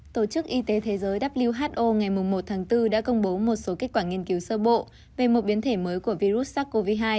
tổ chức y tế thế giới who ngày một tháng bốn đã công bố một số kết quả nghiên cứu sơ bộ về một biến thể mới của virus sars cov hai